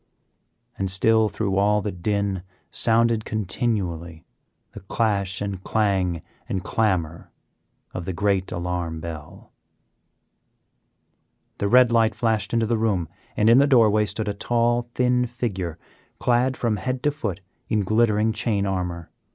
And still through all the din sounded continually the clash and clang and clamor of the great alarm bell. The red light flashed into the room, and in the doorway stood a tall, thin figure clad from head to foot in glittering chain armor.